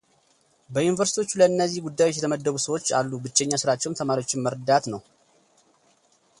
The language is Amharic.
በየዩኒቨርስቲዎቹ ለእነዚህ ጉዳዮች የተመደቡ ሰዎች አሉ ብቸኛ ሥራቸውም ተማሪዎችን መርዳት ነው።